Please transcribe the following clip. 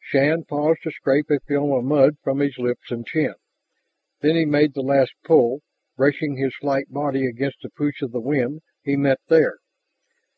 Shann paused to scrape a film of mud from his lips and chin. Then he made the last pull, bracing his slight body against the push of the wind he met there.